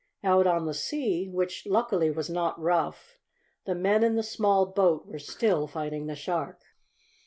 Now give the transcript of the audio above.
Out on the sea, which, luckily, was not rough, the men in the small boat were still fighting the shark.